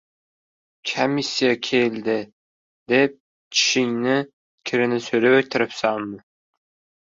«Kamissiya keldi», deb tishining kirini so‘rib o‘tirsinmi?